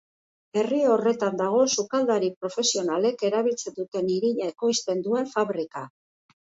Herri horretan dago sukaldari profesionalek erabiltzen duten irina ekoizten duen fabrika.